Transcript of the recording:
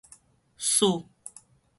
璽